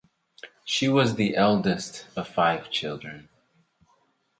She was the eldest of five children.